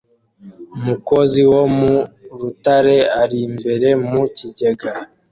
Umukozi wo mu rutare ari imbere mu kigega